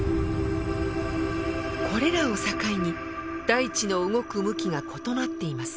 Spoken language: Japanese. これらを境に大地の動く向きが異なっています。